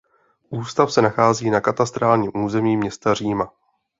Ústav se nachází na katastrálním území města Říma.